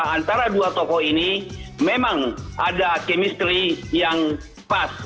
antara dua tokoh ini memang ada chemistry yang pas